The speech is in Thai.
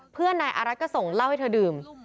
เพื่อนนายอารัฐก็ส่งเหล้าให้เธอดื่ม